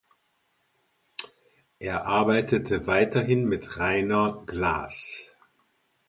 Er arbeitete weiterhin mit Rainer Glas.